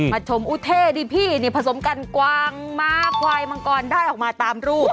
ชมอุเท่ดีพี่นี่ผสมกันกวางม้าควายมังกรได้ออกมาตามรูป